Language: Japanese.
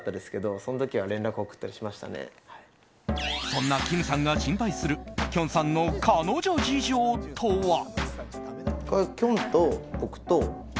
そんな、きむさんが心配するきょんさんの彼女事情とは。